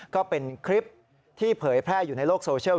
ก็เป็นคลิปที่เผยแพร่อยู่ในโลกโซเชียล